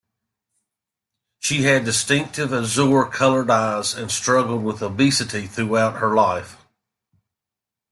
She had distinctive azure colored eyes, and struggled with obesity throughout her life.